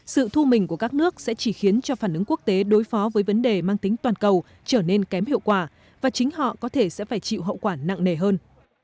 sự thu mình của các nước sẽ chỉ khiến cho phản ứng quốc tế đối phó với vấn đề mang tính toàn cầu trở nên kém hiệu quả và chính họ có thể sẽ phải chịu hậu quả nặng nề hơn